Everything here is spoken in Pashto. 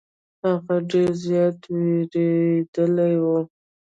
هغه ډير زيات ويرويدلې وه.